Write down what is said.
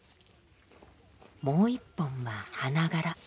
もう一本は花柄。